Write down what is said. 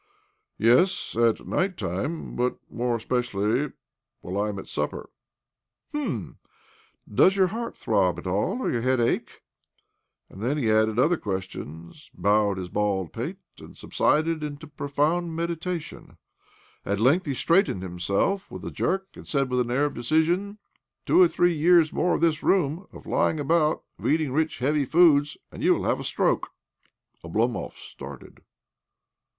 "Yes— at night time, but more especially while I am at supper." " Hm I And does your heart throb' at all, or your head ache? " He then added other questions, bowed his bald pate, and sub sided into profound meditation. At length he straightened himself "with a jerk, and said with an air of decision— " Two or three years more of this room, of lying aibout, of eatingi rich, heavy foodfe, and you will have a stroke." Oblomov started.